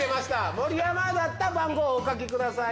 盛山だった番号お書きください。